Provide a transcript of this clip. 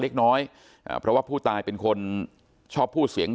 เล็กน้อยอ่าเพราะว่าผู้ตายเป็นคนชอบพูดเสียง